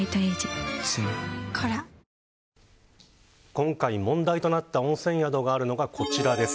今回、問題となった温泉宿があるのがこちらです。